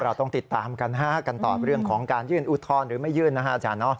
เราต้องติดตามกันฮะกันต่อเรื่องของการยื่นอุทธรณ์หรือไม่ยื่นนะฮะอาจารย์